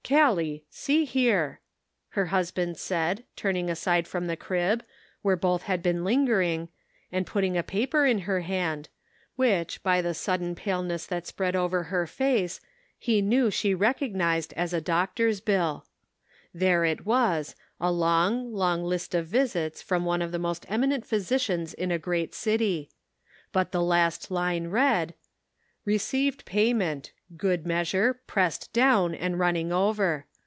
" Gallic, see here !" her husband said, turn 374 The Pocket Measure. ing aside from the crib, where both had been lingering, and putting a paper in her hand, which, by the sudden paleness that spread over her face, he knew she recognized as a doctor's bill. There it was, a long, long list of visits from one of the most eminent physicians in a great city. But the last line read — "Received payment ('good measure, pressed down and running over